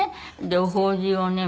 で法事をね